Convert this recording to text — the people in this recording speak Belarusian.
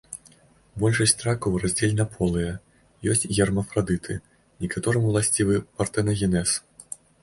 Большасць ракаў раздзельнаполыя, ёсць гермафрадыты, некаторым уласцівы партэнагенез.